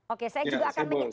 oke saya juga akan